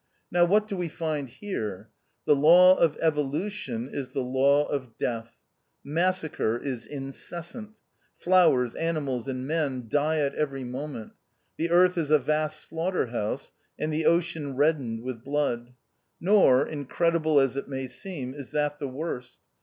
Now what do we find here ? The law of evolution is the law of death. Mas sacre is incessant ; flowers, animals, and men die at every moment ; the earth is a vast slaughter house, and the ocean red dened with blood. Nor, incredible as it may seem, is that the worst.